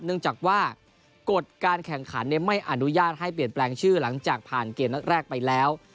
เนื่องจากว่ากฎการแข่งขันไม่อนุญาตให้เปลี่ยนแปลงชื่อหลังจากผ่านเกมนัดแรกไปแล้ว